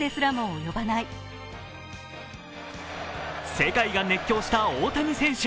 世界が熱狂した大谷選手。